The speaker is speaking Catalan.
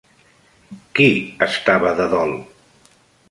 Qui estava de dol?